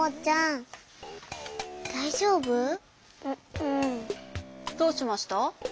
ううん。どうしました？